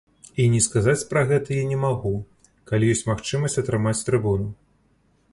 І не сказаць пра гэта я не магу, калі ёсць магчымасць атрымаць трыбуну.